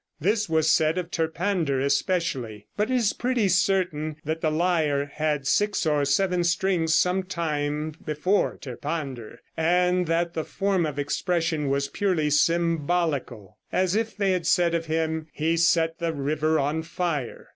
This was said of Terpander especially; but it is pretty certain that the lyre had six or seven strings some time before Terpander, and that the form of expression was purely symbolical, as if they had said of him "he set the river on fire."